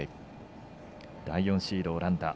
第４シード、オランダ。